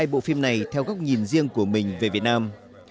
hai bộ phim này theo góc nhìn riêng của mình về việt nam